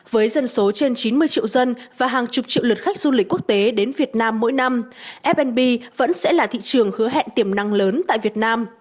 với dân số trên chín mươi triệu dân và hàng chục triệu lượt khách du lịch quốc tế đến việt nam mỗi năm f b vẫn sẽ là thị trường hứa hẹn tiềm năng lớn tại việt nam